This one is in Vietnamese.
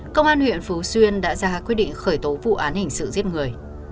công an huyện phú xuyên đã ra quyết định khởi tố vụ án hình sự giết người